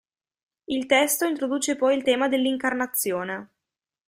Il testo introduce poi il tema dell"'incarnazione".